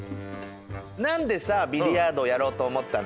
なんでさあビリヤードをやろうとおもったの？